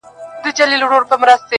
o چي نه دي وينم، اخير به مي هېر سى!